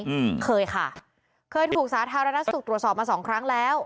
อืมเคยค่ะเคยถูกสาธารณสุขตรวจสอบมาสองครั้งแล้ว